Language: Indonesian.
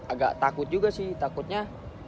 agak takut juga sih takutnya